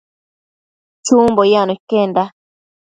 Chumbo yacno iquenda